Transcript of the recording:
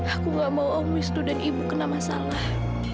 aku tidak mau om wistu dan ibu kena masalah